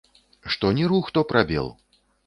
Тут што ні рух, то прабел.